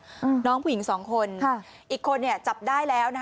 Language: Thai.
อืมน้องผู้หญิงสองคนค่ะอีกคนเนี้ยจับได้แล้วนะคะ